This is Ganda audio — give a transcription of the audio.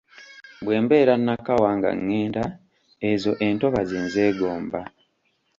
"Bwe mbeera Nakawa nga ngenda, ezo entobazzi nzeegomba."